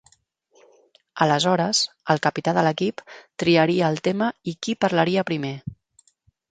Aleshores, el capità de l'equip triaria el tema i qui parlaria primer.